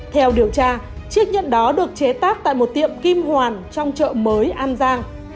theo điều tra chiếc nhẫn đó được chế tác tại một tiệm kim hoàn trong chợ mới an giang